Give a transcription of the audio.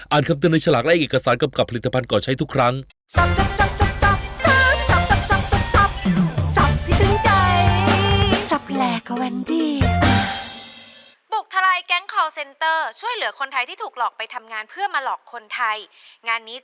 คำเตือนในฉลากและเอกสารกำกับผลิตภัณฑ์ก่อใช้ทุกครั้ง